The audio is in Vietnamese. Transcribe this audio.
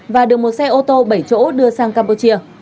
và được một xe ô tô bảy chỗ đưa sang campuchia